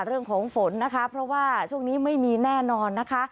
เรื่องของฝนนะคะเพราะว่าช่วงนี้ไม่มีแน่นอนนะคะ